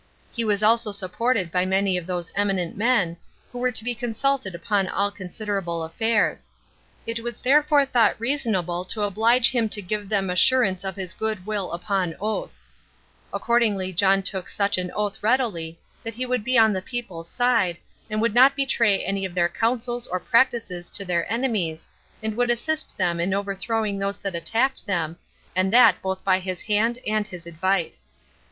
He was also supported by many of those eminent men, who were to be consulted upon all considerable affairs; it was therefore thought reasonable to oblige him to give them assurance of his good will upon oath; accordingly John took such an oath readily, that he would be on the people's side, and would not betray any of their counsels or practices to their enemies, and would assist them in overthrowing those that attacked them, and that both by his hand and his advice.